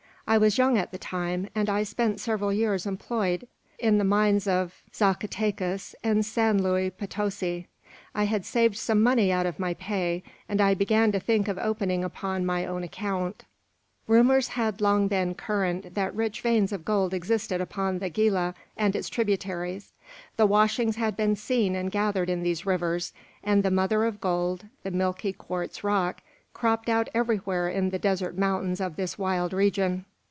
I was young at the time, and I spent several years employed in the mines of Zacatecas and San Luis Potosi. "I had saved some money out of my pay, and I began to think of opening upon my own account. "Rumours had long been current that rich veins of gold existed upon the Gila and its tributaries. The washings had been seen and gathered in these rivers; and the mother of gold, the milky quartz rock, cropped out everywhere in the desert mountains of this wild region.